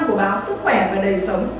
của báo sức khỏe và đời sống